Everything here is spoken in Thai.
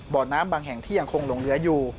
บ่อน้ำบางแห่งที่ยังคงหลงเหลืออยู่